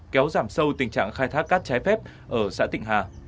kéo giảm sâu tình trạng khai thác cát trái phép ở xã tịnh hà